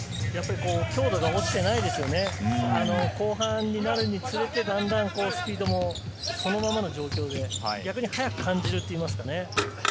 強度が落ちていないですよね、後半になるにつれて、だんだんとスピードもそのままの状況で、逆に速く感じるといいますかね。